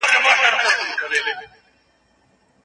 همدلته راولاړه سوه